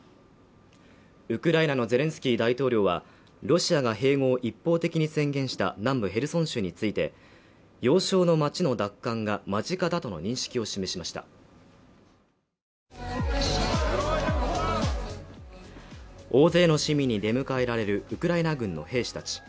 ウクライナのゼレンスキー大統領はロシアが併合を一方的に宣言した南部ヘルソン州について要衝の街の奪還が間近だとの認識を示しました大勢の市民に出迎えられるウクライナ軍の兵士たち